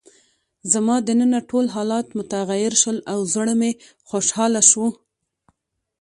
زما دننه ټول حالات متغیر شول او زړه مې خوشحاله شو.